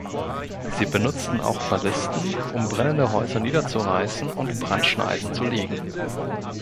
Sie benutzten auch „Ballisten“, um brennende Häuser niederzureißen und Brandschneisen zu legen.